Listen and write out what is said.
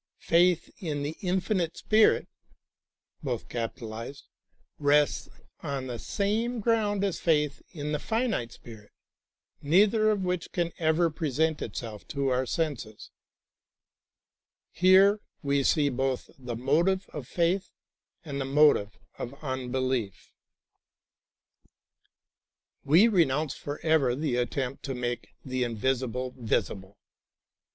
Faith in the Infinite Spirit rests on the same ground as faith in tlie finite spirit, neither of wliich can ever present itself to our senses. Here we see l)oth the motive of faith and the motive of unbelief. We renounce forever the attempt 10 THE THREE MOTIVES OF FAITH to make the invisible visible.